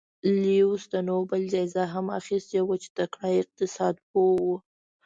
لیوس د نوبل جایزه هم اخیستې وه چې تکړه اقتصاد پوه و.